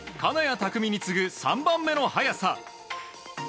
拓実に次ぐ３番目の早さ。